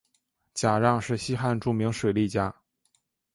贾让是西汉著名水利家。